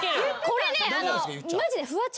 これねマジで。